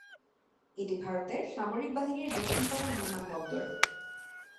এটি ভারতের সামরিক বাহিনীর দক্ষিণতম বিমান বন্দর।